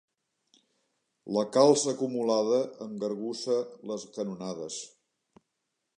La calç acumulada engargussa les canonades.